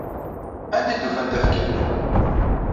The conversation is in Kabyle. Anda ay d-ufan tafekka-nni?